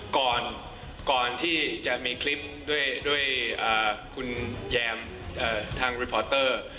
ก่อนที่จะมีคลิปด้วยคุณแยมทางรีพอเตอร์